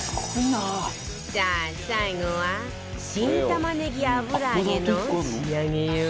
さあ最後は新玉ねぎ油揚げの仕上げよ